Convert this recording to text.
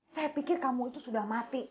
saya pikir kamu itu sudah mati